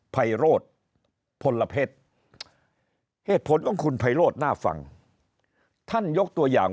ภัยโรธพลเพชรเหตุผลของคุณไพโรธน่าฟังท่านยกตัวอย่าง